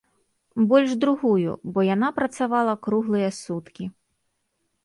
Больш другую, бо яна працавала круглыя суткі.